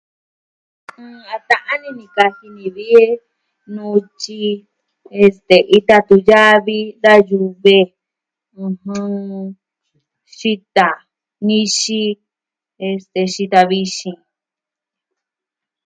A ta'an ini ni kaji ni vi a nutyi, este, ita tunyavi, da yuve, ɨjɨn... xita, nixi, este, xita vixin.